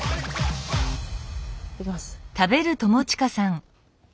いきます。